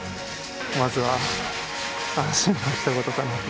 まずは安心のひと言かなと。